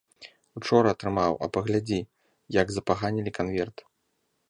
Учора атрымаў, а паглядзі, як запаганілі канверт.